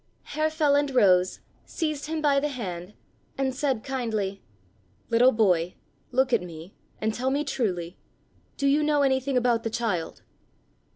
Herr Feland rose, seized him by the hand, and said kindly: "Little boy, look at me, and tell me truly, do you know anything about the child?"